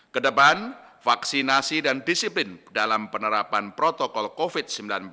kedepan vaksinasi dan disiplin dalam penerapan protokol covid sembilan belas